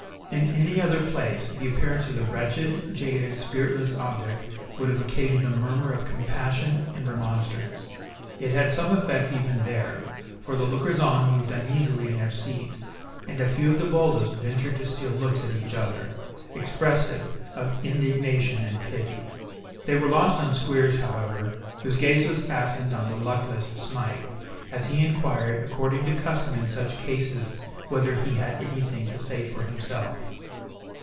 In any other place, the appearance of the wretched, jaded, spiritless object would have occasioned a murmur of compassion and remonstrance. It had some effect even there; for the lookers on moved uneasily in their seats; and a few of the boldest ventured to steal looks at each other, expressive of indignation and pity. They were lost on Squeers, however, whose gaze was fastened on the luckless Smike, as he inquired, according to custom in such cases, whether he had anything to say for himself.